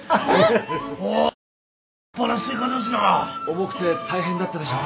重くて大変だったでしょう？